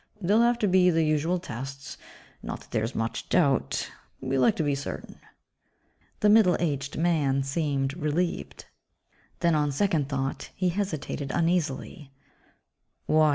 There'll have to be the usual tests. Not that there's much doubt ... we like to be certain." The middle aged man seemed relieved. Then, on second thought, he hesitated uneasily, "Why?